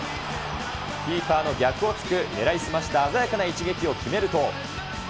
キーパーの逆をつく狙い澄ました鮮やかな一撃を決めると。